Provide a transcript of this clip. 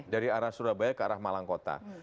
dari arah surabaya ke arah malang kota